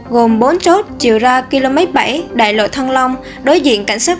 gồm bốn chốt chiều ra km bảy đại lộ thăng long đối diện cảnh sát